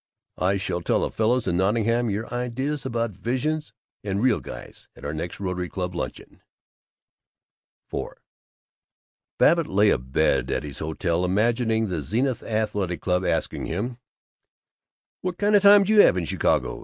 I shall tell the fellows in Nottingham your ideas about Visions and Real Guys at our next Rotary Club luncheon." IV Babbitt lay abed at his hotel, imagining the Zenith Athletic Club asking him, "What kind of a time d'you have in Chicago?"